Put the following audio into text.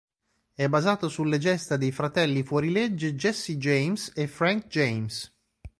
È basato sulle gesta dei fratelli fuorilegge Jesse James e Frank James.